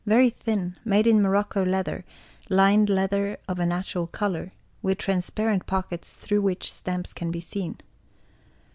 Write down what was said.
Very thin, made in morocco leather, lined leather of a neutral colour, with transparent pockets through which stamps can be seen.